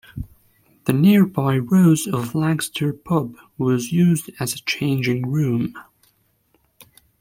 The nearby Rose of Lancaster pub was used as a changing room.